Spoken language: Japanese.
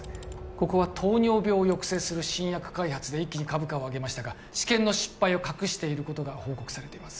ここは糖尿病を抑制する新薬開発で一気に株価を上げましたが治験の失敗を隠していることが報告されています